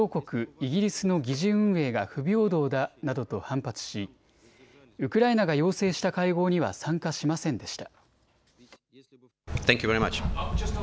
イギリスの議事運営が不平等だなどと反発しウクライナが要請した会合には参加しませんでした。